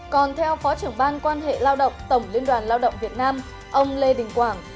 còn theo phó trưởng ban quan hệ lao động tổng liên đoàn lao động việt nam ông lê đình quảng